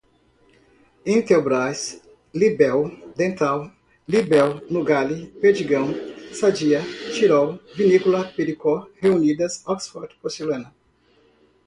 Intelbras, Lippel, Dental, Lippel, Nugali, Perdigão, Sadia, Tirol, Vinícola Pericó, Reunidas, Oxford Porcelanas